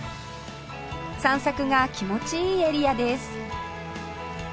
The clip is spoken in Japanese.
散策が気持ちいいエリアです